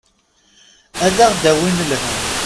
Ad aɣ-d-awin lhemm.